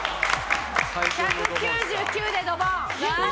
１９９でドボン。